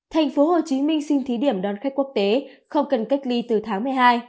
thành phố hồ chí minh xin thí điểm đón khách quốc tế không cần cách ly từ tháng một mươi hai